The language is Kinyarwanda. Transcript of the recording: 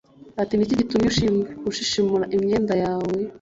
ati ni iki gitumye ushishimura imyenda yawe